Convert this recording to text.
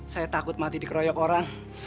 saya takut mati dikeroyok orang